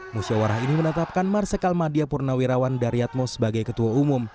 musyawaran ini menetapkan marsika madya purnawirawan daryatmo sebagai ketua umum